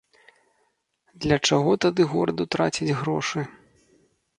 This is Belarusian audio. Для чаго тады гораду траціць грошы?